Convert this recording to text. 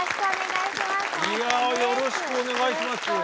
いやよろしくお願いします。